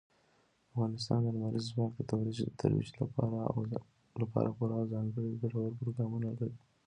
افغانستان د لمریز ځواک د ترویج لپاره پوره او ځانګړي ګټور پروګرامونه لري.